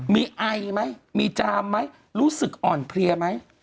มีไอมั้ยมีจามมั้ยรู้สึกอ่อนเพลียมั้ย